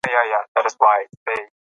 کتاب د لوستونکو لپاره ګټور دی.